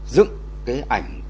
dựng cái ảnh